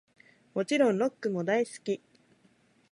もちろんロックも大好き♡